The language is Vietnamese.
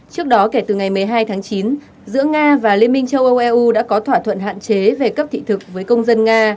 trước đó kể từ ngày một mươi hai tháng chín giữa nga và liên minh châu âu eu đã có thỏa thuận hạn chế về cấp thị thực với công dân nga